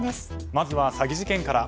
まずは詐欺事件から。